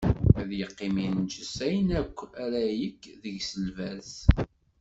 Ad iqqim inǧes ayen akk ara yekk deg-s lberṣ.